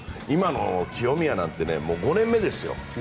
今の清宮なんて５年目ですよ。